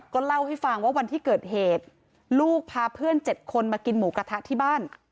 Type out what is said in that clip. เล่าให้ฟังว่าวันที่เกิดเหตุลูกพาเพื่อน๗คนมากินหมูกระทะที่บ้าน